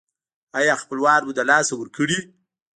ایا خپلوان مو له لاسه ورکړي؟